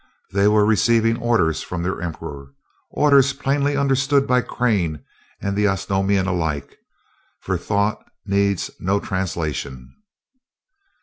They were receiving orders from their Emperor; orders plainly understood by Crane and the Osnomian alike, for thought needs no translation.